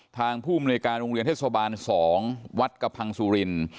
ทางผู้มนุยการโรงเรียนเทศบาล๒วัดกระพังสุรินทร์